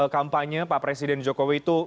kampanye pak presiden jokowi itu